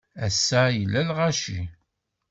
Ass-a, yella lɣaci.